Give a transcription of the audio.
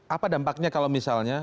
apa dampaknya kalau misalnya